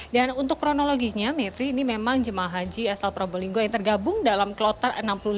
untuk kronologinya mevri ini memang jemaah haji asal probolinggo yang tergabung dalam kloter enam puluh lima